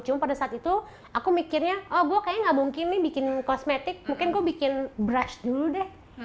cuma pada saat itu aku mikirnya oh gue kayaknya gak mungkin nih bikin kosmetik mungkin gue bikin brush dulu deh